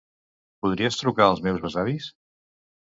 Podries trucar als meus besavis?